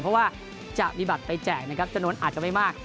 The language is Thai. เพราะว่าจะมีบัตรไปแจกจะโน้นอาจจะไม่มาก